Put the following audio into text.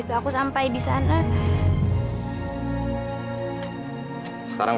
terus apa yang kamu lakukan